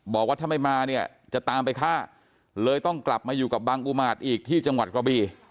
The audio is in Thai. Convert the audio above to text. บอกว่าถ้าไม่มาเนี่ยจะตามไปฆ่าเลยต้องกลับมาอยู่กับบังอุมาตรอีกที่จังหวัดกระบี